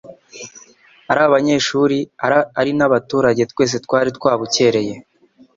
Ari abanyeshuri ari n'abaturage twese twari twabukereye.